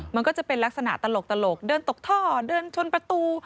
มันก็จะเป็นลักษณะตลกเดินตกท่อเดินชนประตู